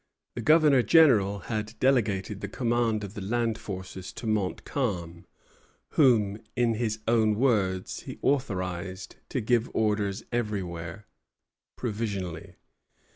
The Governor General had delegated the command of the land forces to Montcalm, whom, in his own words, he authorized "to give orders everywhere, provisionally."